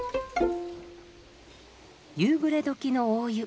夕暮れ時の大湯。